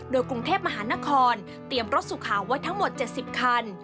โดยกรุงเทพมหานครเตรียมรถสุขาไว้ทั้งหมด๗๐คัน